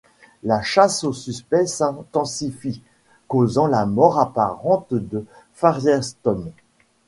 La chasse aux suspects s'intensifie, causant la mort apparente de Firestorm.